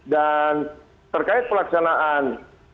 dan terkait pelaksanaan